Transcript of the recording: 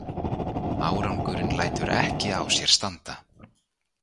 Árangurinn lætur ekki á sér standa.